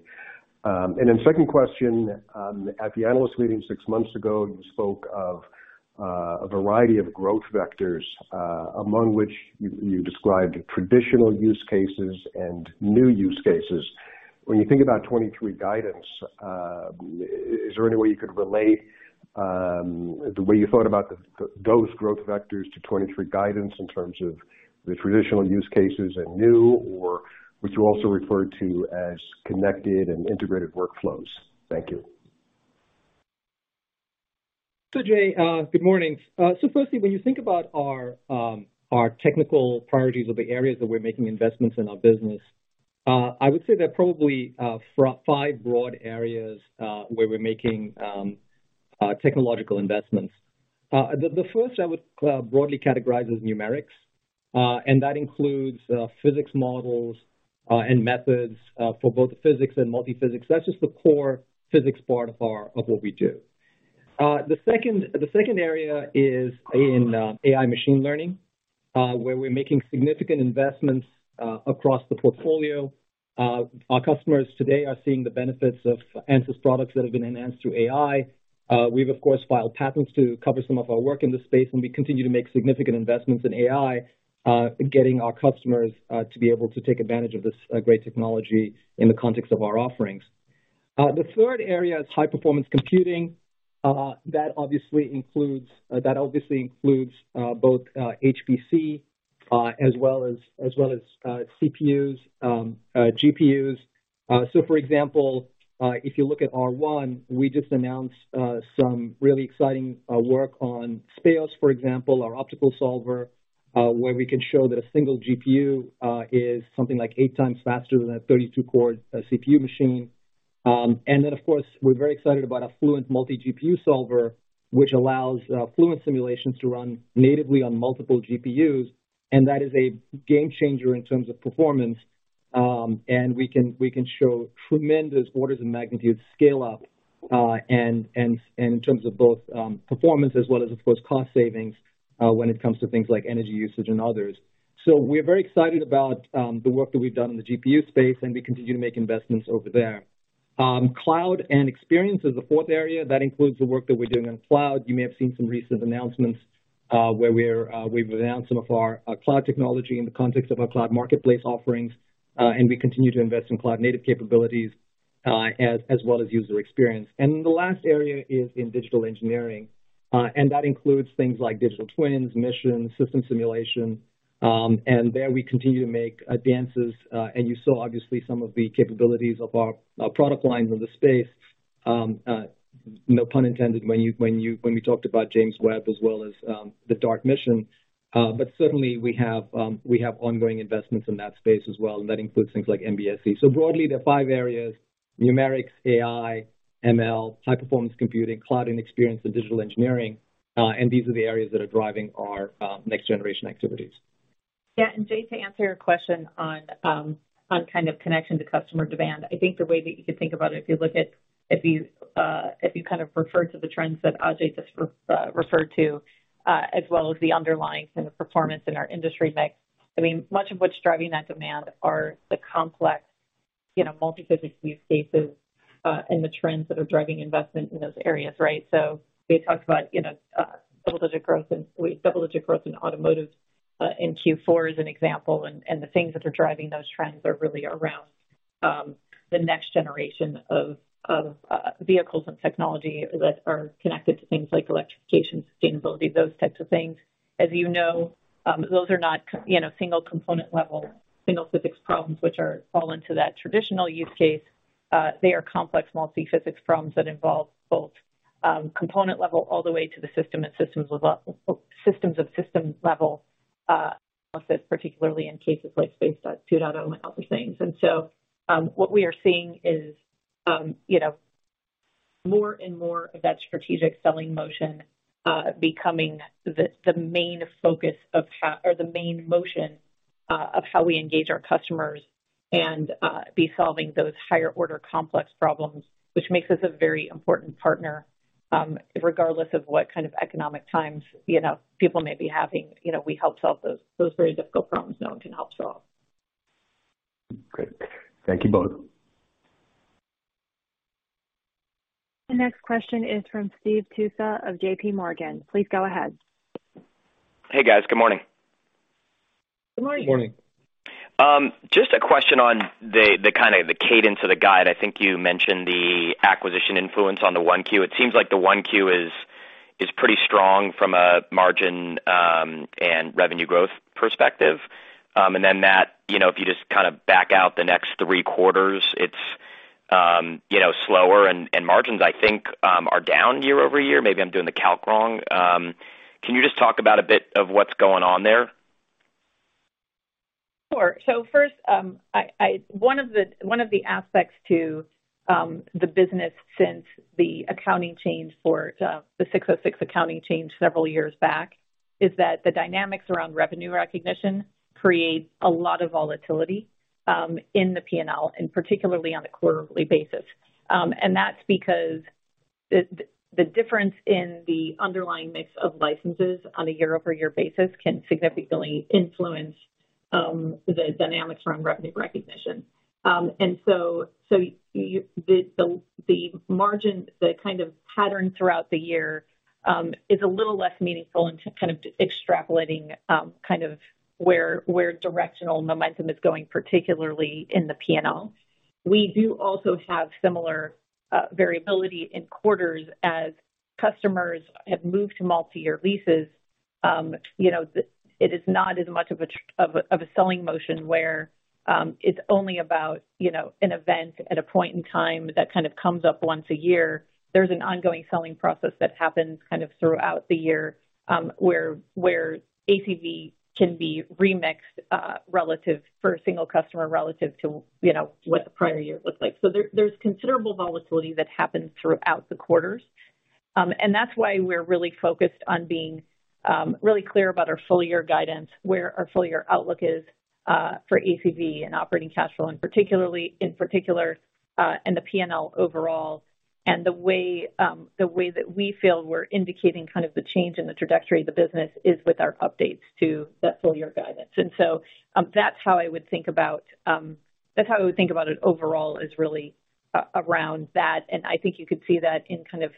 Then second question, at the analyst meeting six months ago, you spoke of a variety of growth vectors, among which you described traditional use cases and new use cases. When you think about 2023 guidance, is there any way you could relate the way you thought about those growth vectors to 2023 guidance in terms of the traditional use cases and new or which you also referred to as connected and integrated workflows? Thank you. Jay, good morning. Firstly, when you think about our technical priorities or the areas that we're making investments in our business, I would say there are probably five broad areas where we're making technological investments. The first I would broadly categorize as numerics, and that includes physics models and methods for both physics and multiphysics. That's just the core physics part of our, of what we do. The second area is in AI machine learning, where we're making significant investments across the portfolio. Our customers today are seeing the benefits of Ansys products that have been enhanced through AI. We've of course, filed patents to cover some of our work in this space, and we continue to make significant investments in AI, getting our customers to be able to take advantage of this great technology in the context of our offerings. The third area is high performance computing. That obviously includes both HPC as well as CPUs, GPUs. So for example, if you look at R1, we just announced some really exciting work on Speos, for example, our optical solver, where we can show that a single GPU is something like eight times faster than a 32 core CPU machine. Then of course, we're very excited about an Ansys Fluent multi-GPU solver, which allows Ansys Fluent simulations to run natively on multiple GPUs. That is a game changer in terms of performance. We can show tremendous orders and magnitude scale up, and in terms of both performance as well as of course cost savings, when it comes to things like energy usage and others. We're very excited about the work that we've done in the GPU space, and we continue to make investments over there. Cloud and experience is the fourth area. That includes the work that we're doing in cloud. You may have seen some recent announcements, where we've announced some of our cloud technology in the context of our cloud marketplace offerings. We continue to invest in cloud-native capabilities. As well as user experience. Then the last area is in digital engineering, and that includes things like digital twins, mission, system simulation. There we continue to make advances. You saw obviously some of the capabilities of our product lines in the space, no pun intended, when we talked about James Webb as well as the DART mission. Certainly we have ongoing investments in that space as well, and that includes things like MBSE. Broadly, there are five areas: numerics, AI, ML, high-performance computing, cloud and experience of digital engineering. These are the areas that are driving our next generation activities. Yeah. Jay, to answer your question on kind of connection to customer demand, I think the way that you could think about it, if you kind of refer to the trends that Ajei just referred to, as well as the underlying kind of performance in our industry mix. I mean, much of what's driving that demand are the complex, you know, multi-physics use cases, and the trends that are driving investment in those areas, right? We talked about, you know, double-digit growth in automotive in Q4 as an example. The things that are driving those trends are really around the next generation of vehicles and technology that are connected to things like electrification, sustainability, those types of things. As you know, single component level, single physics problems fall into that traditional use case. They are complex multi-physics problems that involve both component level all the way to the system and systems of system level analysis, particularly in cases like Space 2.0 and other things. What we are seeing is, you know, more and more of that strategic selling motion becoming the main focus of how or the main motion of how we engage our customers and be solving those higher order complex problems, which makes us a very important partner, regardless of what kind of economic times, you know, people may be having. You know, we help solve those very difficult problems no one can help solve. Great. Thank you both. The next question is from Steve Tusa of JPMorgan. Please go ahead. Hey, guys. Good morning. Good morning. Good morning. Just a question on the kind of the cadence of the guide. I think you mentioned the acquisition influence on the 1Q. It seems like the 1Q is pretty strong from a margin and revenue growth perspective. That, you know, if you just kinda back out the next three quarters, it's, you know, slower and margins I think, are down year-over-year. Maybe I'm doing the calc wrong. Can you just talk about a bit of what's going on there? Sure. First, One of the, one of the aspects to the business since the accounting change for the ASC 606 accounting change several years back is that the dynamics around revenue recognition create a lot of volatility in the P&L and particularly on a quarterly basis. That's because the difference in the underlying mix of licenses on a year-over-year basis can significantly influence the dynamics around revenue recognition. The margin, the kind of pattern throughout the year, is a little less meaningful in kind of extrapolating where directional momentum is going, particularly in the P&L. We do also have similar variability in quarters as customers have moved to multi-year leases. You know, it is not as much of a selling motion where it's only about, you know, an event at a point in time that kind of comes up once a year. There's an ongoing selling process that happens kind of throughout the year, where ACV can be remixed relative for a single customer relative to, you know, what the prior year looked like. There's considerable volatility that happens throughout the quarters. That's why we're really focused on being really clear about our full year guidance, where our full year outlook is for ACV and operating cash flow, in particular, in the P&L overall. The way that we feel we're indicating kind of the change in the trajectory of the business is with our updates to that full year guidance. That's how I would think about, that's how I would think about it overall is really around that. I think you could see that in kind of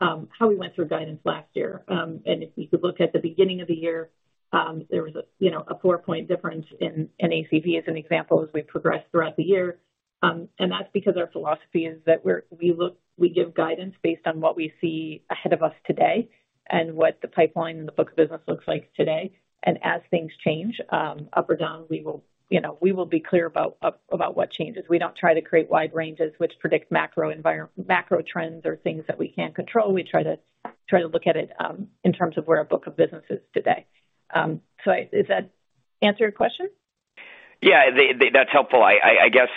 how we, how we went through guidance last year. If you could look at the beginning of the year, there was a, you know, a four-point difference in ACV as an example, as we progressed throughout the year. That's because our philosophy is that we give guidance based on what we see ahead of us today and what the pipeline and the book of business looks like today. As things change, up or down, we will, you know, we will be clear about what changes. We don't try to create wide ranges which predict macro trends or things that we can't control. We try to look at it in terms of where our book of business is today. Does that answer your question? Yeah. That's helpful. I guess,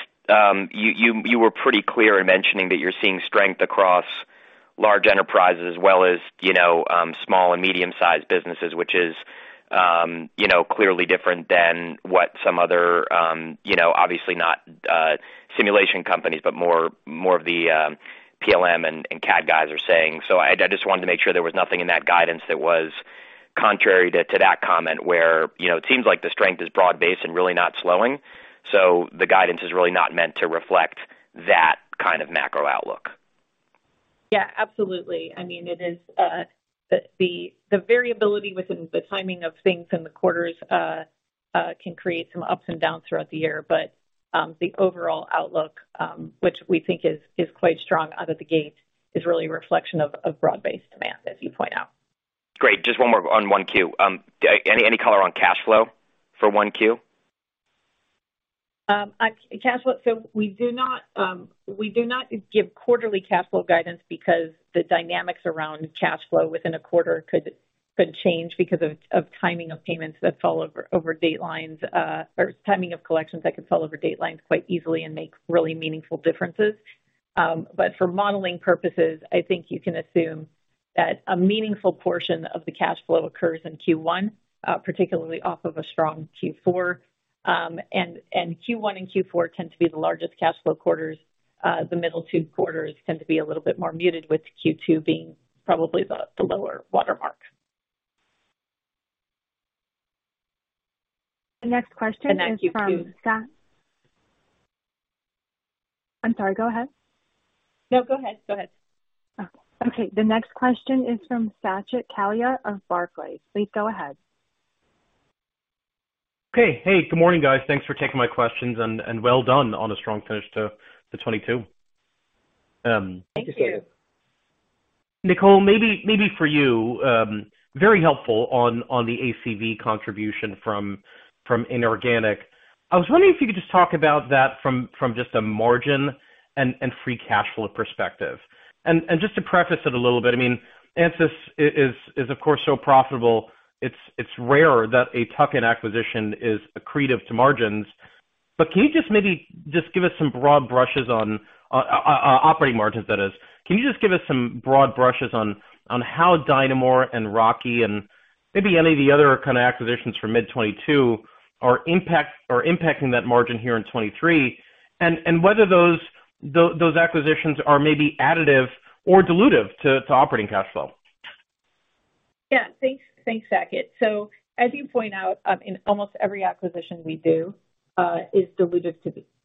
you know, you were pretty clear in mentioning that you're seeing strength across large enterprises as well as, you know, small and medium-sized businesses, which is, you know, clearly different than what some other, you know, obviously not simulation companies, but more of the PLM and CAD guys are saying. I just wanted to make sure there was nothing in that guidance that was contrary to that comment where, you know, it seems like the strength is broad-based and really not slowing. The guidance is really not meant to reflect that kind of macro outlook. Yeah, absolutely. I mean, it is, the variability within the timing of things in the quarters, can create some ups and downs throughout the year. The overall outlook, which we think is quite strong out of the gate, is really a reflection of broad-based demand, as you point out. Great. Just one more on 1Q. Any color on cash flow for 1Q? Cash flow. We do not, we do not give quarterly cash flow guidance because the dynamics around cash flow within a quarter could change because of timing of payments that fall over date lines, or timing of collections that could fall over date lines quite easily and make really meaningful differences. For modeling purposes, I think you can assume that a meaningful portion of the cash flow occurs in Q1, particularly off of a strong Q4. Q1 and Q4 tend to be the largest cash flow quarters. The middle two quarters tend to be a little bit more muted, with Q2 being probably the lower watermark. The next question is from. Q2. I'm sorry. Go ahead. No, go ahead. Go ahead. Oh, okay. The next question is from Saket Kalia of Barclays. Please go ahead. Okay. Hey, good morning, guys. Thanks for taking my questions and well done on a strong finish to 2022. Thank you. Thank you. Nicole, maybe for you. Very helpful on the ACV contribution from inorganic. I was wondering if you could just talk about that from just a margin and free cash flow perspective. Just to preface it a little bit, I mean, Ansys is of course no profitable. It's rare that a tuck-in acquisition is accretive to margins. Can you just maybe give us some broad brushes on operating margins that is. Can you just give us some broad brushes on how DYNAmore and Rocky and maybe any of the other kind of acquisitions from mid 2022 are impacting that margin here in 2023, and whether those acquisitions are maybe additive or dilutive to operating cash flow? Yeah. Thanks. Thanks, Saket. As you point out, in almost every acquisition we do, is dilutive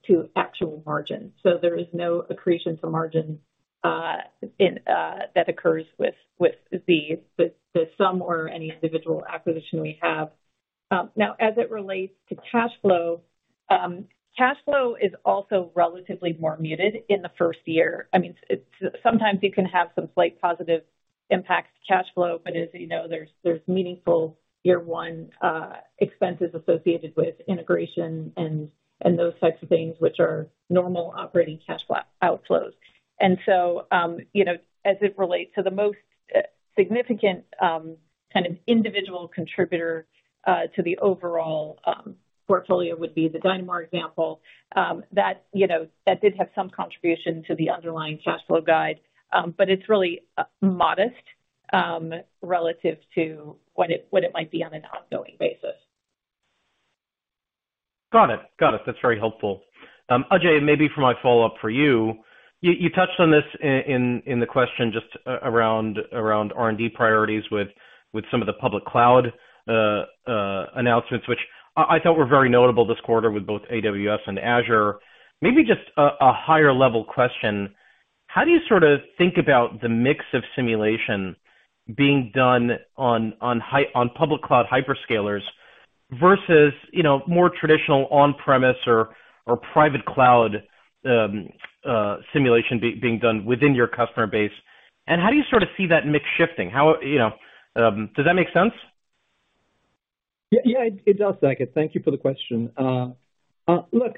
to actual margin. There is no accretion to margin that occurs with the sum or any individual acquisition we have. Now, as it relates to cash flow, cash flow is also relatively more muted in the first year. I mean, it's sometimes you can have some slight positive impact to cash flow, but as you know, there's meaningful year 1 expenses associated with integration and those types of things which are normal operating cash flow outflows. You know, as it relates to the most significant kind of individual contributor to the overall portfolio would be the DYNAmore example. That, you know, that did have some contribution to the underlying cash flow guide. It's really modest relative to what it might be on an ongoing basis. Got it. Got it. That's very helpful. Ajei, maybe for my follow-up for you. You touched on this in the question just around R&D priorities with some of the public cloud announcements, which I thought were very notable this quarter with both AWS and Azure. Maybe just a higher level question. How do you sort of think about the mix of simulation being done on public cloud hyperscalers versus, you know, more traditional on-premise or private cloud simulation being done within your customer base? How do you sort of see that mix shifting? How, you know? Does that make sense? Yeah. It does, Saket. Thank you for the question. Look,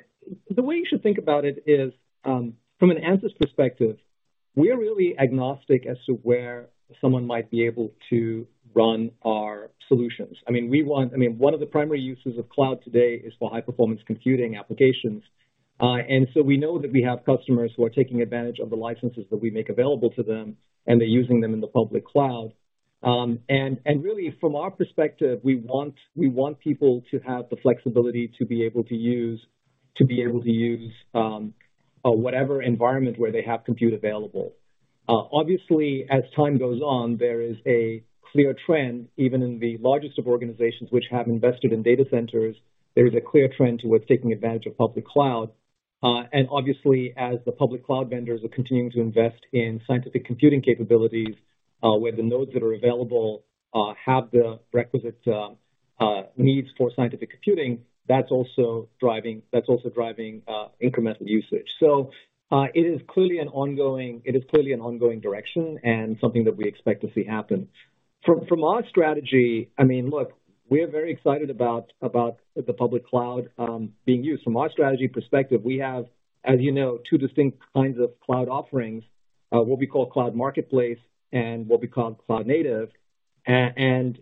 the way you should think about it is, from an Ansys perspective, we're really agnostic as to where someone might be able to run our solutions. I mean, one of the primary uses of cloud today is for high performance computing applications. We know that we have customers who are taking advantage of the licenses that we make available to them, and they're using them in the public cloud. Really from our perspective, we want people to have the flexibility to be able to use whatever environment where they have compute available. Obviously, as time goes on, there is a clear trend, even in the largest of organizations which have invested in data centers, there is a clear trend towards taking advantage of public cloud. Obviously, as the public cloud vendors are continuing to invest in scientific computing capabilities, where the nodes that are available, have the requisite needs for scientific computing, that's also driving incremental usage. It is clearly an ongoing direction and something that we expect to see happen. From our strategy, I mean, look, we are very excited about the public cloud being used. From our strategy perspective, we have, as you know, two distinct kinds of cloud offerings, what we call cloud marketplace and what we call cloud native. You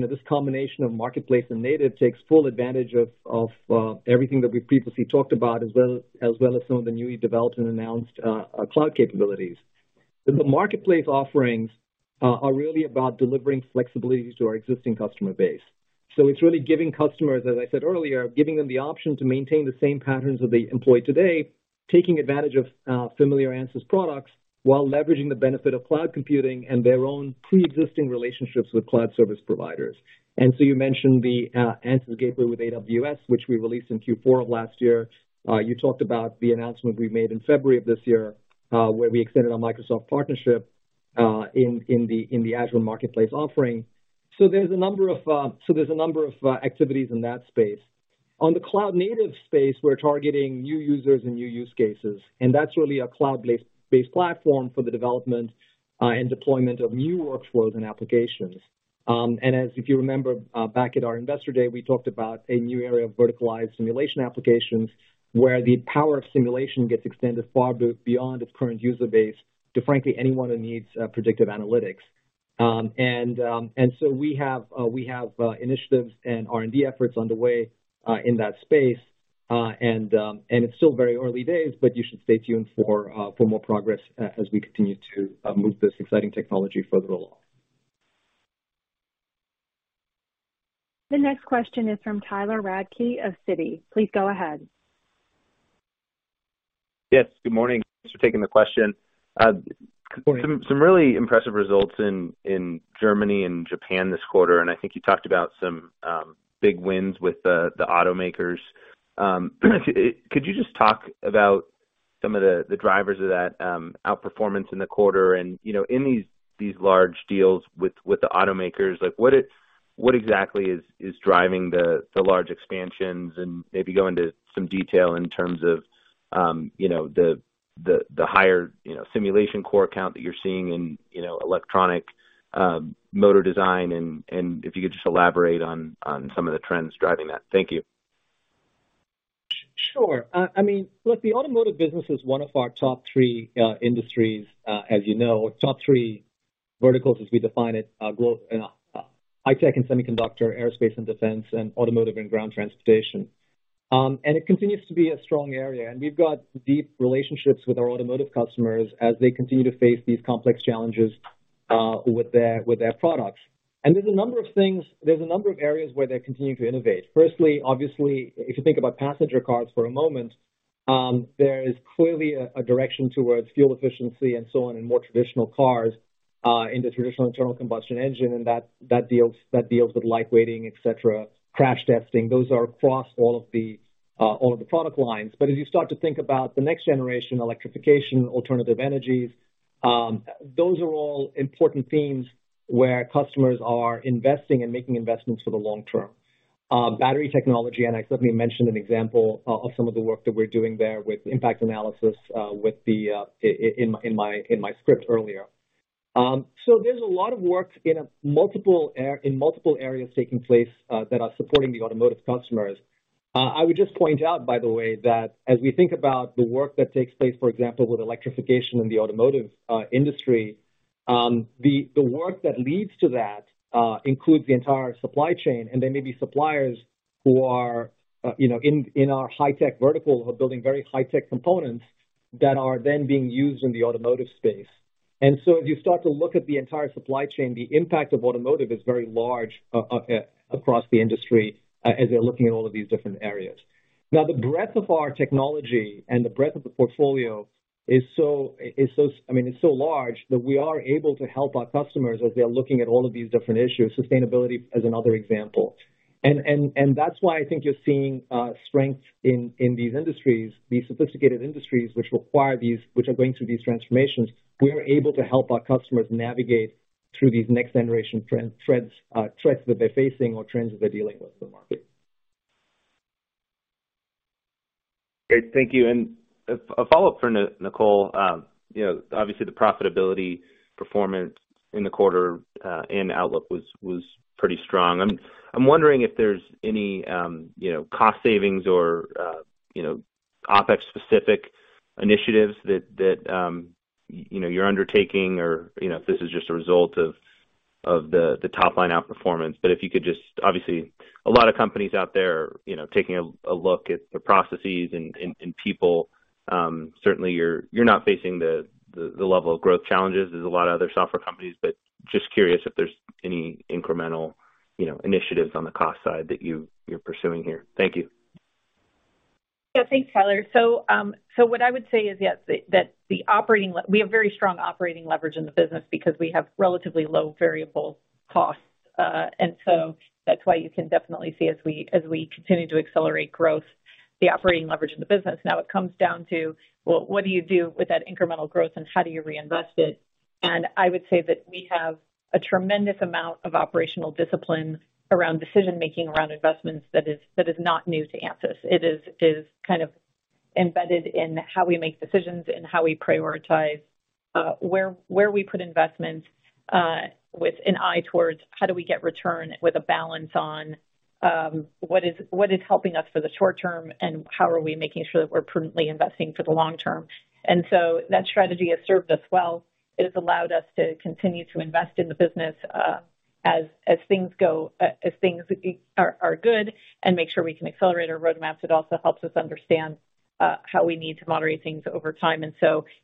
know, this combination of marketplace and native takes full advantage of, everything that we previously talked about, as well, as well as some of the newly developed and announced cloud capabilities. The marketplace offerings are really about delivering flexibility to our existing customer base. It's really giving customers, as I said earlier, giving them the option to maintain the same patterns that they employ today, taking advantage of familiar Ansys products while leveraging the benefit of cloud computing and their own pre-existing relationships with cloud service providers. You mentioned the Ansys Gateway with AWS, which we released in Q4 of last year. You talked about the announcement we made in February of this year, where we extended our Microsoft partnership, in the Azure marketplace offering. There's a number of activities in that space. On the cloud-native space, we're targeting new users and new use cases, and that's really a cloud-based platform for the development and deployment of new workflows and applications. As if you remember, back at our investor day, we talked about a new area of verticalized simulation applications where the power of simulation gets extended far beyond its current user base to, frankly, anyone who needs predictive analytics. We have initiatives and R&D efforts underway in that space. It's still very early days, but you should stay tuned for more progress as we continue to move this exciting technology further along. The next question is from Tyler Radke of Citi. Please go ahead. Yes, good morning. Thanks for taking the question. Good morning. Some really impressive results in Germany and Japan this quarter, I think you talked about some big wins with the automakers. Could you just talk about some of the drivers of that outperformance in the quarter and, you know, in these large deals with the automakers, like, what exactly is driving the large expansions? Maybe go into some detail in terms of, you know, the higher, you know, simulation core count that you're seeing in, you know, electronic motor design and if you could just elaborate on some of the trends driving that? Thank you. Sure. I mean, look, the automotive business is one of our top three industries, as you know. Top three verticals as we define it, growth in high-tech and semiconductor, aerospace and defense, and automotive and ground transportation. It continues to be a strong area. We've got deep relationships with our automotive customers as they continue to face these complex challenges with their products. There's a number of areas where they're continuing to innovate. Firstly, obviously, if you think about passenger cars for a moment, there is clearly a direction towards fuel efficiency and so on in more traditional cars in the traditional internal combustion engine, that deals with light weighting, et cetera, crash testing. Those are across all of the product lines. As you start to think about the next generation, electrification, alternative energies, those are all important themes where customers are investing and making investments for the long term. Battery technology, and I certainly mentioned an example of some of the work that we're doing there with impact analysis, with the, in my script earlier. There's a lot of work in multiple areas taking place, that are supporting the automotive customers. I would just point out, by the way, that as we think about the work that takes place, for example, with electrification in the automotive industry, the work that leads to that includes the entire supply chain, and there may be suppliers who are, you know, in our high-tech vertical who are building very high-tech components that are then being used in the automotive space. As you start to look at the entire supply chain, the impact of automotive is very large across the industry as they're looking at all of these different areas. The breadth of our technology and the breadth of the portfolio is so large that we are able to help our customers as they're looking at all of these different issues. Sustainability is another example. That's why I think you're seeing strength in these industries. These sophisticated industries which require these, which are going through these transformations, we're able to help our customers navigate through these next generation trends, threats that they're facing or trends that they're dealing with in the market. Great. Thank you. And a follow-up for Nicole. You know, obviously the profitability performance in the quarter, and outlook was pretty strong. I'm wondering if there's any, you know, cost savings or, you know, OpEx specific initiatives that, you know, you're undertaking or, you know, if this is just a result of the top line outperformance. But if you could just. Obviously, a lot of companies out there are, you know, taking a look at their processes and people. Certainly you're not facing the level of growth challenges as a lot of other software companies, but just curious if there's any incremental, you know, initiatives on the cost side that you're pursuing here. Thank you. Yeah. Thanks, Tyler. What I would say is, yes, we have very strong operating leverage in the business because we have relatively low variable costs. That's why you can definitely see as we continue to accelerate growth, the operating leverage in the business. Now it comes down to, well, what do you do with that incremental growth, and how do you reinvest it? I would say that we have a tremendous amount of operational discipline around decision-making, around investments that is not new to Ansys. It is kind of embedded in how we make decisions and how we prioritize, where we put investments, with an eye towards how do we get return with a balance on, what is helping us for the short term, and how are we making sure that we're prudently investing for the long term. That strategy has served us well. It has allowed us to continue to invest in the business, as things go, as things are good, and make sure we can accelerate our roadmaps. It also helps us understand, how we need to moderate things over time.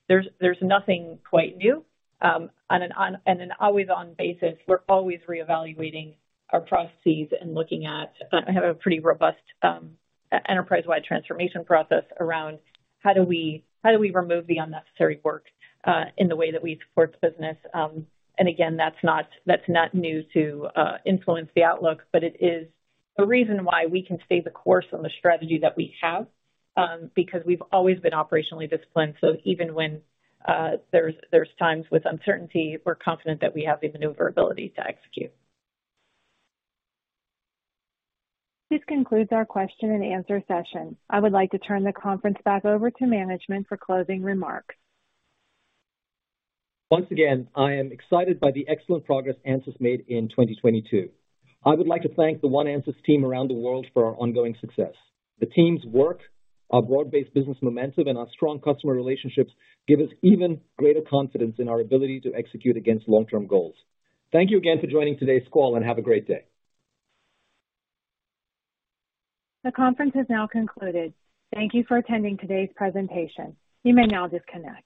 There's nothing quite new. On an always on basis, we're always reevaluating our processes and looking at, have a pretty robust enterprise-wide transformation process around how do we remove the unnecessary work in the way that we support the business. Again, that's not new to influence the outlook, but it is a reason why we can stay the course on the strategy that we have, because we've always been operationally disciplined. Even when there's times with uncertainty, we're confident that we have the maneuverability to execute. This concludes our question and answer session. I would like to turn the conference back over to management for closing remarks. Once again, I am excited by the excellent progress Ansys made in 2022. I would like to thank the One Ansys team around the world for our ongoing success. The team's work, our broad-based business momentum, and our strong customer relationships give us even greater confidence in our ability to execute against long-term goals. Thank you again for joining today's call, and have a great day. The conference has now concluded. Thank you for attending today's presentation. You may now disconnect.